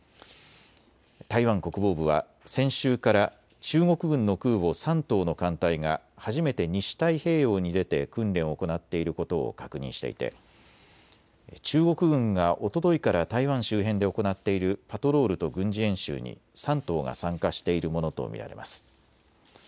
台湾国防部は先週から中国軍の空母、山東の艦隊が初めて西太平洋に出て訓練を行っていることを確認していて中国軍がおとといから台湾周辺で行っているパトロールと軍事演習に山東が参加しているものと見られます。